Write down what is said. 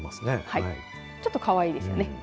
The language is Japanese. ちょっとかわいいですよね。